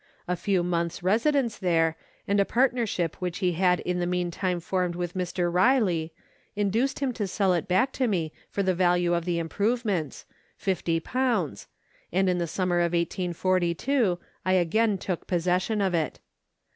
A few months' residence there, and a partnership which he had in the meantime formed with Mr. Riley, induced him to sell it back to me for the value of the im provements 50, and in the summer of 1842 I again took pos session of it.